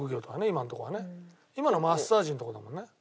今のはマッサージの所だもんね。